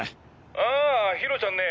ああひろちゃんね。